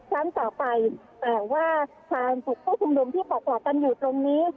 สั้นต่อไปแปลว่าทางกลุ่มผู้ชมนุมที่ปลอดภัณฑ์อยู่ตรงนี้